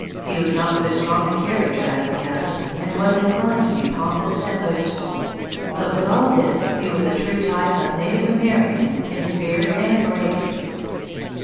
He was not so strong a character as the other, and was inclined to be pompous and boastful; but with all this he was a true type of native American in spirit and bravery.